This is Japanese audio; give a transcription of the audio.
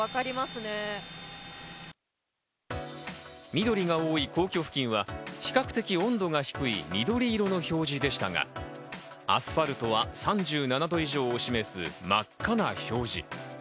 緑が多い皇居付近は比較的温度が低い緑色の表示でしたが、アスファルトは３７度以上を示す真っ赤な表示。